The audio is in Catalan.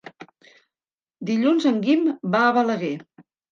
Dilluns en Guim va a Balaguer.